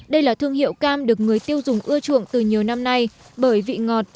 đây là thương hiệu cam được người tiêu dùng ưa chuộng từ nhiều năm nay bởi vị ngọt